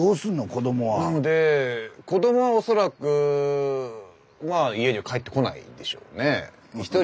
子どもは恐らくまあ家には帰ってこないでしょうね。